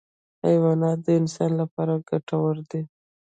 حیوانات د انسان لپاره ګټور دي.